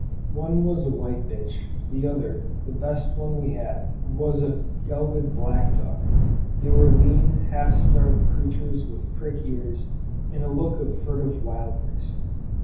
One was a white bitch, the other, the best one we had, was a gelded black dog. They were lean, half starved creatures with prick ears and a look of furtive wildness.